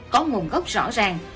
có nguồn gốc rõ ràng